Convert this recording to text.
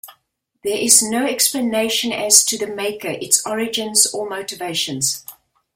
There is no explanation as to the Maker, its origins or motivations.